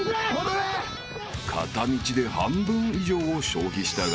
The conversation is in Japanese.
［片道で半分以上を消費したが］